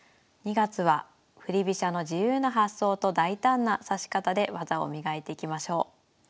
２月は振り飛車の自由な発想と大胆な指し方で技を磨いていきましょう。